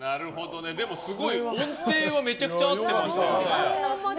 でもすごい、音程はめちゃくちゃ合ってましたね。